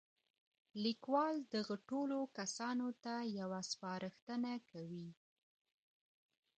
ليکوال دغو ټولو کسانو ته يوه سپارښتنه کوي.